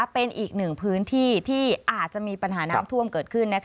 เป็นอีกหนึ่งพื้นที่ที่อาจจะมีปัญหาน้ำท่วมเกิดขึ้น